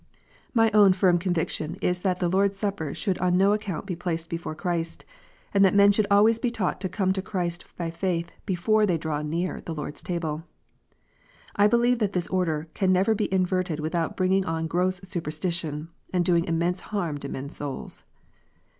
My own firm conviction is that the Lord s Supper should on no account be placed before Christ, and that men should always be taught to come to Christ by faith before they draw near to the Lord s Table. I believe that this order can never be inverted without bringing in gross superstition, and doing immense harm to men s souls.